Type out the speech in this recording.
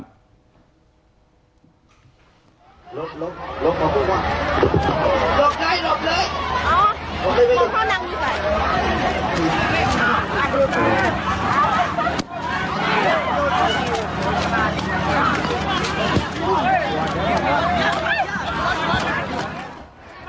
หลบหลบหลบบ้าง